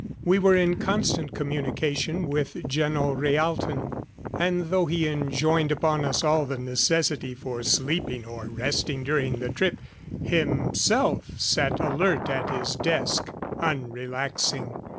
We were in constant communication with Geno Rhaalton. And though he enjoined upon us all the necessity for sleeping or resting during the trip, himself sat alert at his desk, unrelaxing.